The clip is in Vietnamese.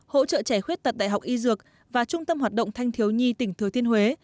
hỗ trợ trẻ khuyết tật đại học y dược và trung tâm hoạt động thanh thiếu